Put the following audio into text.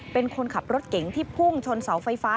เป็นคนขับรถเก๋งที่พุ่งชนเสาไฟฟ้า